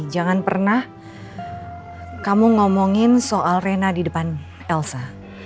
jangan pernah kamu ngomongin soal rena di depan elsa